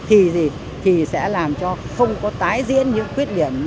thì gì thì sẽ làm cho không có tái diễn những quyết điểm như thế